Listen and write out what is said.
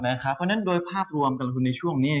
เพราะฉะนั้นโดยภาพรวมการลงทุนในช่วงนี้